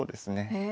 へえ。